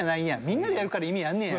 みんなでやるから意味あんねや！